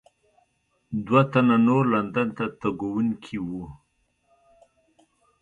دوه تنه نور لندن ته تګونکي وو.